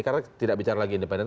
karena tidak bicara lagi independen